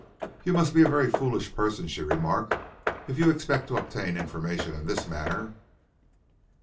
"You must be a very foolish person," she remarked, "if you expect to obtain information in this manner."